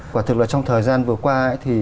quả thực là trong thời gian vừa qua ấy thì